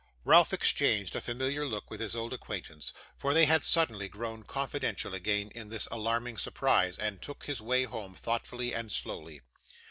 Ralph exchanged a familiar look with his old acquaintance; for they had suddenly grown confidential again in this alarming surprise; and took his way home, thoughtfully and slowly.